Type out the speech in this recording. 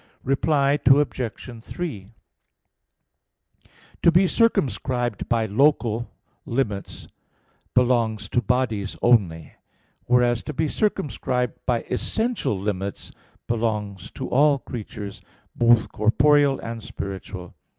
Reply Obj. 3: To be circumscribed by local limits belongs to bodies only; whereas to be circumscribed by essential limits belongs to all creatures, both corporeal and spiritual.